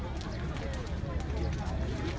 สวัสดีครับคุณผู้ชาย